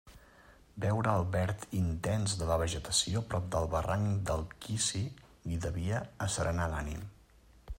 Veure el verd intens de la vegetació prop del barranc del Quisi li devia asserenar l'ànim.